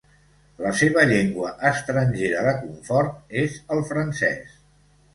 La seva llengua estrangera de confort és el francès.